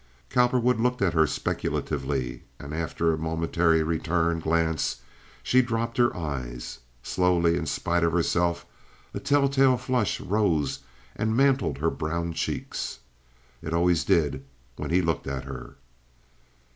Cowperwood looked at her speculatively, and after a momentary return glance she dropped her eyes. Slowly, in spite of herself, a telltale flush rose and mantled her brown cheeks. It always did when he looked at her.